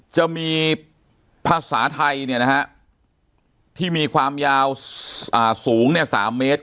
จะมีภาษาไทยเนี่ยนะฮะที่มีความยาวสูง๓เมตร